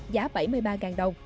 giá bảy mươi ba đồng